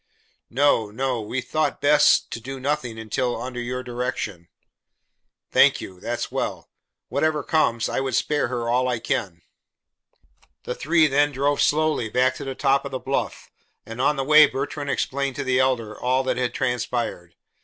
"No, no. We thought best to do nothing until under your direction." "Thank you. That's well. Whatever comes, I would spare her all I can." The three then drove slowly back to the top of the bluff, and on the way Bertrand explained to the Elder all that had transpired.